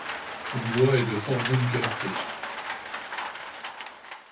Son bois est de fort bonne qualité.